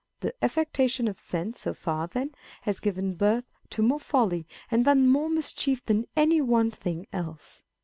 The affectation of sense so far, then, has given birth to more folly and done more mischief than any one thing else.